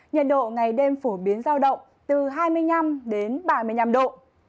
nhiệt độ ngày đêm phổ biến giao động từ hai mươi năm đến ba mươi năm độ